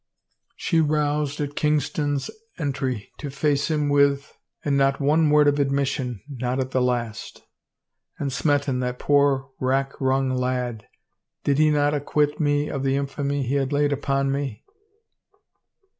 She roused, at Kingston's entry, to face him with, " And not one word of admission, not at the last !... And Smeton, that poor rack wrung lad — did he not acquit me of the infamy he had laid upon me